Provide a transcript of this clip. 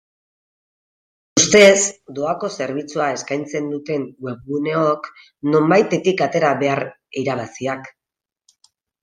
Ustez doako zerbitzua eskaitzen duten webguneok nonbaitetik atera behar irabaziak.